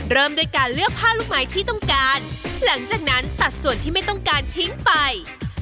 เริ่มด้วยการเลือกผ้าลูกไม้ที่ต้องการหลังจากนั้นตัดส่วนที่ไม่ต้องการทิ้งไป